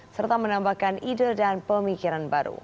serta menambahkan ide dan pemikiran baru